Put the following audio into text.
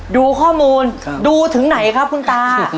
ดูข้อมูลดูถึงไหนครับคุณตา